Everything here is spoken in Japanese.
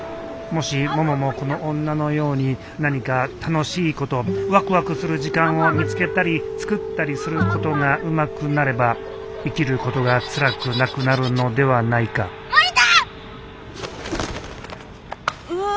もしもももこの女のように何か楽しいことワクワクする時間を見つけたり作ったりすることがうまくなれば生きることがつらくなくなるのではないかうわ！